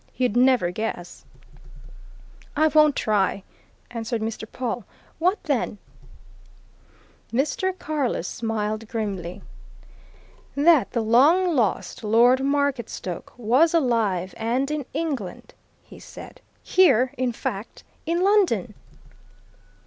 You'd never guess!" "I won't try!" answered Mr. Pawle. "What, then?" Mr. Carless smiled grimly. "That the long lost Lord Marketstoke was alive and in England!" he said. "Here, in fact, in London!"